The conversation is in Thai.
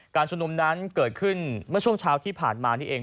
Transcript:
ชุมนุมนั้นเกิดขึ้นเมื่อช่วงเช้าที่ผ่านมานี่เอง